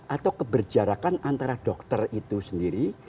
atau keberjarakan antara dokter itu sendiri